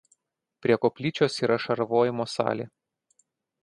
Prie koplyčios yra šarvojimo salė.